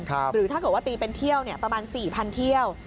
หรือถ้าเกิดว่าตีเป็นเที่ยวประมาณ๔๐๐เที่ยว